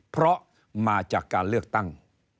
เพราะมาจากการเลือกตั้ง